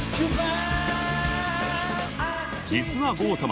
実は郷様